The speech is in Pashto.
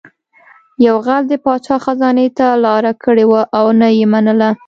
یو غل د پاچا خزانې ته لاره کړې وه او نه یې منله